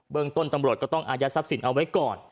ต้นตำรวจก็ต้องอายัดทรัพย์สินเอาไว้ก่อน